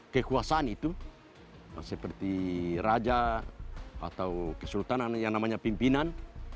kekuasaan itu seperti raja atau kesultanan yang namanya pimpinan